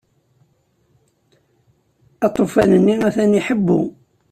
Aṭufan-nni atan iḥebbu.